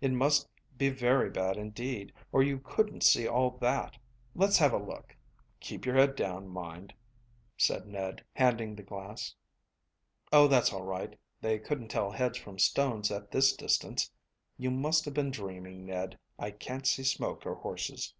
"It must be very bad indeed, or you couldn't see all that. Let's have a look." "Keep your head down, mind," said Ned, handing the glass. "Oh, that's all right; they couldn't tell heads from stones at this distance. You must have been dreaming, Ned; I can't see smoke or horses."